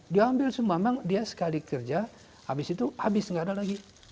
diambil semua memang dia sekali kerja habis itu habis nggak ada lagi